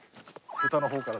ヘタの方から。